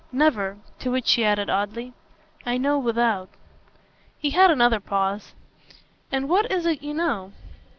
Never." To which she added oddly: "I know without." He had another pause. "And what is it you know?"